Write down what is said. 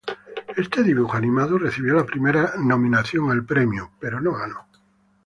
Este dibujo animado recibió la primera nominación al premio, pero no ganó.